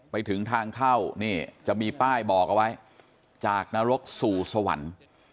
ไปถึงทางเข้านี่จะมีป้ายบอกเอาไว้จากนรกสู่สวรรค์